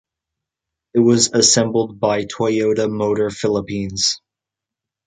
It was assembled by Toyota Motor Philippines.